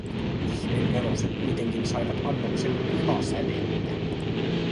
Ihmeneloset kuitenkin saivat annoksen Viha-sädettä